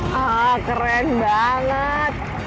wah keren banget